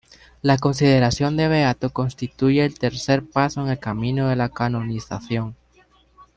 La consideración de beato constituye el tercer paso en el camino de la canonización.